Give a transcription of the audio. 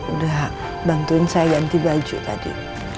udah bantuin saya ganti baju tadi